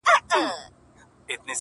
ماته خوښي راكوي.